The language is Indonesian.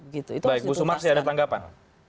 baik bu sumarsi ada tanggapan